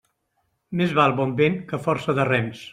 Més val bon vent que força de rems.